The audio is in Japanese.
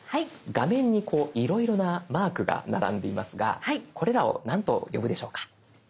画面にこういろいろなマークが並んでいますがこれらを何と呼ぶでしょうか？